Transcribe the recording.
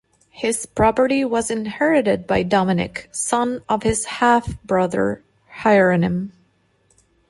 His property was inherited by Dominik, son of his half-brother Hieronim.